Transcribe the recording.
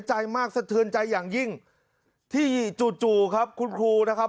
ใจมากสะเทือนใจอย่างยิ่งที่จู่จู่ครับคุณครูนะครับ